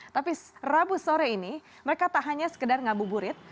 tapi rabu sore ini mereka tak hanya sekedar ngabuburit